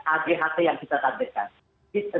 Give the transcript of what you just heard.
aght yang kita tabirkan